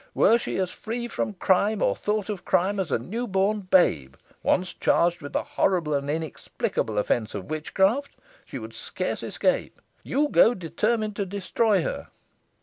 Were she as free from crime, or thought of crime, as the new born babe, once charged with the horrible and inexplicable offence of witchcraft, she would scarce escape. You go determined to destroy her."